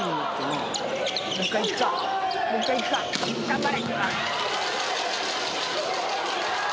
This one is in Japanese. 頑張れ！